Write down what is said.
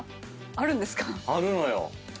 あるのよ。